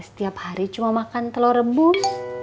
setiap hari cuma makan telur rebum